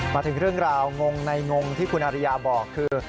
มาถึงเรื่องราวงงในงงที่คุณอริยาบอกคือ